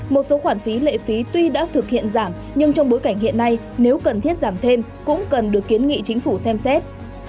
một số khoản phí lệ phí tuy đã thực hiện giảm nhưng trong bối cảnh hiện nay nếu cần thiết giảm thêm cũng cần được kiến nghị chính phủ xem xét